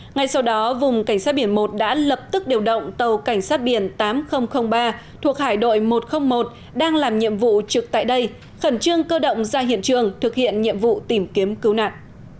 ngay sau đó vùng cảnh sát biển một đã lập tức điều động tàu cảnh sát biển tám nghìn ba thuộc hải đội một trăm linh một đang làm nhiệm vụ trực tại đây khẩn trương cơ động ra hiện trường thực hiện nhiệm vụ tìm kiếm cứu nạn